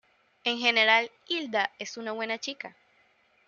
En general, Hilda es una buena chica.